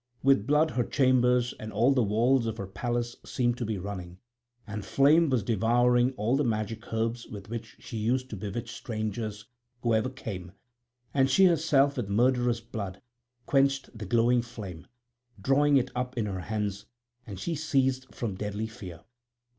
With blood her chambers and all the walls of her palace seemed to be running, and flame was devouring all the magic herbs with which she used to bewitch strangers whoever came; and she herself with murderous blood quenched the glowing flame, drawing it up in her hands; and she ceased from deadly fear.